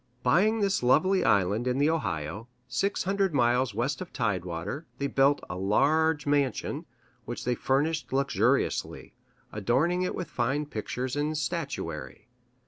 Buying this lovely island in the Ohio, six hundred miles west of tidewater, they built a large mansion, which they furnished luxuriously, adorning it with fine pictures and statuary.